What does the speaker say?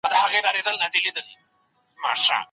هغه له خپلي مېرمني سره هيڅکله ظلم نه کاوه.